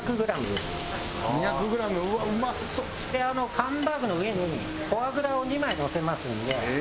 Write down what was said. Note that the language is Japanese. でハンバーグの上にフォアグラを２枚のせますので。